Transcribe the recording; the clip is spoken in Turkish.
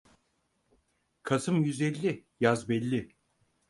Kasım yüz elli, yaz belli.